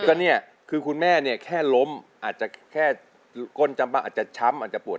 ก็เนี่ยคือคุณแม่เนี่ยแค่ล้มอาจจะแค่ก้นจำบ้างอาจจะช้ำอาจจะปวด